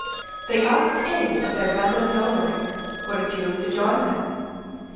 They asked aid of their brother Theodoric, who refused to join them.